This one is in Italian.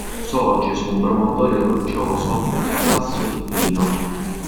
Sorge su un promontorio roccioso detto Sasso di Pino.